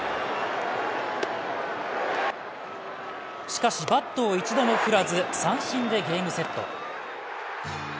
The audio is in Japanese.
しかし、バットを一度も振らず三振でゲームセット。